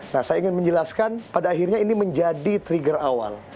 nah saya ingin menjelaskan pada akhirnya ini menjadi trigger awal